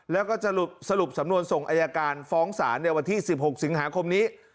แล้วก็จะสรุปสำนวนส่งอายการฟ้องศาลในวันที่๑๖สิงหาคมนี้